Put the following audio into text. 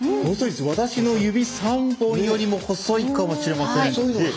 私の指３本よりも細いかもしれません。